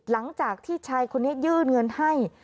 หลังจากที่ชายคนนี้ยื่นเงินให้